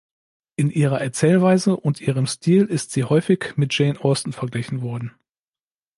In ihrer Erzählweise und ihrem Stil ist sie häufig mit Jane Austen verglichen worden.